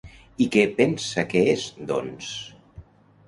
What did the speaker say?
I què pensa que és, doncs?